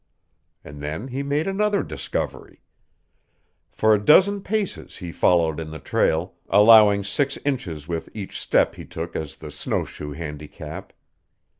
And then he made another discovery. For a dozen paces he followed in the trail, allowing six inches with each step he took as the snowshoe handicap.